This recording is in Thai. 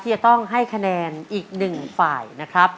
จะต้องให้คะแนนอีกหนึ่งฝ่ายนะครับ